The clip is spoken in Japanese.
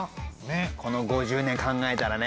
この５０年考えたらね。